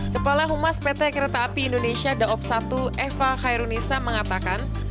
kepala humas pt kereta api indonesia daob satu eva khairunisa mengatakan